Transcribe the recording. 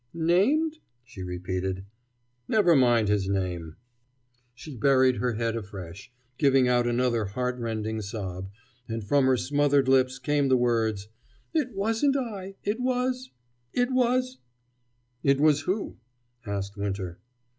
"Named?" she repeated. "Never mind his name." She buried her head afresh, giving out another heart rending sob, and from her smothered lips came the words: "It wasn't I it was it was " "It was who?" asked Winter.